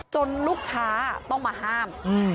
ลูกค้าต้องมาห้าม